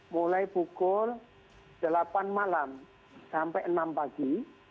mulai pukul delapan malam sampai enam pagi